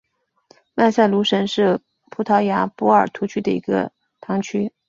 曼塞卢什是葡萄牙波尔图区的一个堂区。